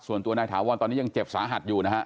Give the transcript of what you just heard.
ส่วนตัวนายถาวรตอนนี้ยังเจ็บสาหัสอยู่นะฮะ